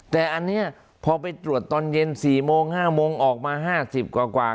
แต่อันนี้พอไปตรวจตอนเย็น๔โมง๕โมงออกมา๕๐กว่า